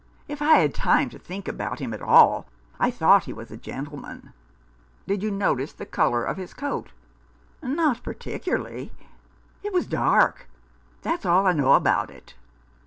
If I had time to think about him at all I thought he was a gentle man." " Did you notice the colour of his coat ?" "Not particularly. It was dark — that's all I know about it."